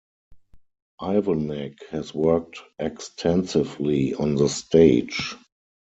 Ivanek has worked extensively on the stage.